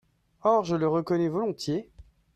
Or je le reconnais volontiers.